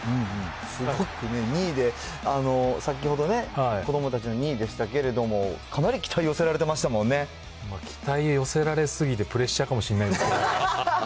すごく２位で、先ほどね、子どもたちの２位でしたけれども、かなり期待、期待寄せられすぎてプレッシャーかもしれないですけど。